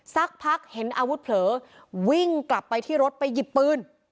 สักพักเห็นอาวุธเผลอวิ่งกลับไปที่รถไปหยิบปืน